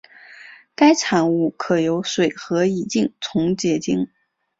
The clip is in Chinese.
该产物可由水和乙腈重结晶。